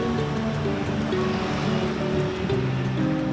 masjidil haram masjidil haram